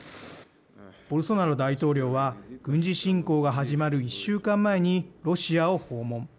ボルソナロ大統領は軍事侵攻が始まる１週間前にロシアを訪問。